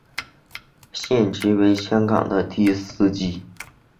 现职为香港的士司机。